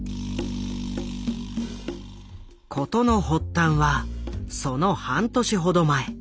事の発端はその半年ほど前。